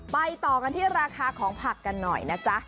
ต่อกันที่ราคาของผักกันหน่อยนะจ๊ะ